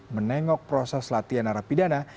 menengok proses latihan narapidana